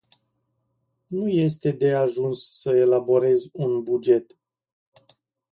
Nu este de ajuns să elaborezi un buget.